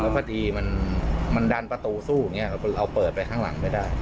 พอดีมันดันประตูสู้อย่างนี้เราเปิดไปข้างหลังไม่ได้